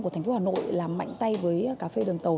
của thành phố hà nội là mạnh tay với cà phê đường tàu